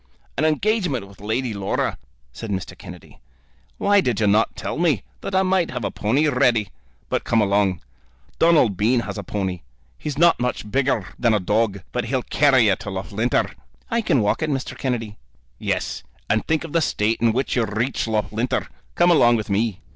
"An engagement with Lady Laura," said Mr. Kennedy. "Why did you not tell me, that I might have a pony ready? But come along. Donald Bean has a pony. He's not much bigger than a dog, but he'll carry you to Loughlinter." "I can walk it, Mr. Kennedy." "Yes; and think of the state in which you'd reach Loughlinter! Come along with me."